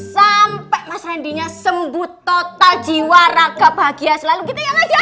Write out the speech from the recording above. sampai mas randinya sembuh total jiwa raga bahagia selalu gitu ya mas ya